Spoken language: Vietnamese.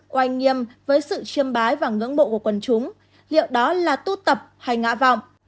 oanh nghiêm với sự chiêm bái và ngưỡng mộ của quần chúng liệu đó là tu tập hay ngã vọng